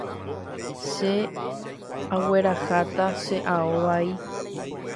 Che aguerahata che ao vai.